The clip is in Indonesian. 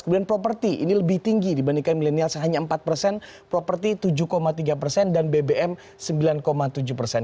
kemudian properti ini lebih tinggi dibandingkan milenial hanya empat persen properti tujuh tiga persen dan bbm sembilan tujuh persen